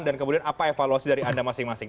dan kemudian apa evaluasi dari anda masing masing